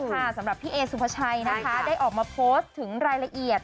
สำหรับพี่เอสุภาชัยนะคะได้ออกมาโพสต์ถึงรายละเอียด